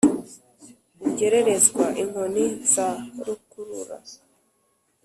ugererezwa inkoni za rukurura.